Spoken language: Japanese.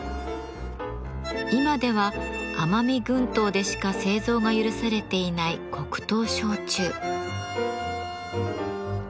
今では奄美群島でしか製造が許されていない黒糖焼酎。